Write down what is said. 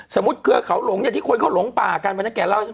สมมุติเครือเขาหลงเนี่ยที่คนเขาหลงป่ากัน